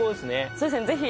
そうですねぜひ。